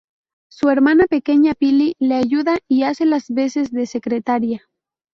Su hermana pequeña Pili le ayuda y hace las veces de secretaria.